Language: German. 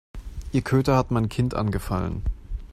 Ihr Köter hat mein Kind angefallen.